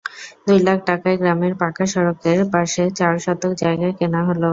দুই লাখ টাকায় গ্রামের পাকা সড়কের পাশে চার শতক জায়গা কেনা হলো।